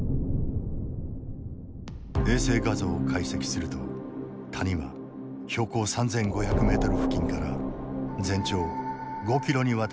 衛星画像を解析すると谷は標高３，５００ｍ付近から全長５ｋｍにわたって続く。